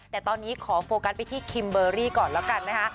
แต่ตอนนี้ขอโฟกัสไปที่คิมเบอร์รี่ก่อนแล้วกันนะคะ